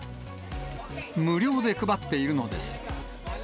無料で配っているのです。